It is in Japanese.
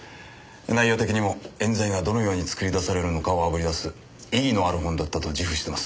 内容的にも冤罪がどのように作り出されるのかをあぶり出す意義のある本だったと自負してます。